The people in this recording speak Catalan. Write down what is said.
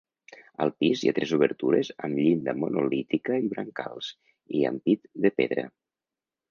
Al pis hi ha tres obertures amb llinda monolítica i brancals i ampit de pedra.